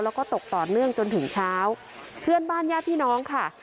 แล้วก็ตกต่อเนื่องจนถึงเช้าเพื่อนบ้านญาติพี่น้องค่ะ